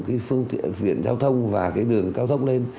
cái phương tiện giao thông và cái đường cao tốc lên